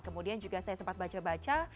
kemudian juga saya sempat baca baca